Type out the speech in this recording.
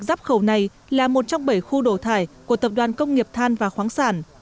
dắp khẩu này là một trong bảy khu đổ thải của tập đoàn công nghiệp than và khoáng sản